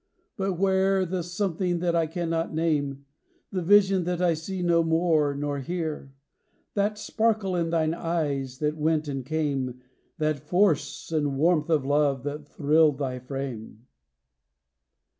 But where the something that I cannot name: The vision that I see no more, nor hear? That sparkle in thine eyes ihat went and came, That force and warmth of love that thrilled thy frame?